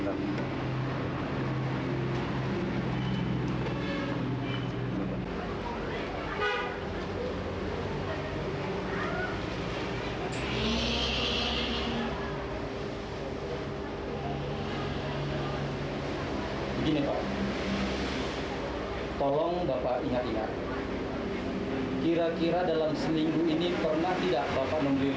hai gini tolong bapak ingat ingat kira kira dalam selingguh ini pernah tidak bapak membeli